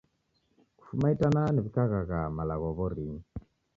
Kufuma itanaa niw'ikaghagha malagho w'orinyi.